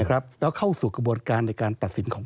แล้วเข้าสู่กระบวนการในการตัดสินของ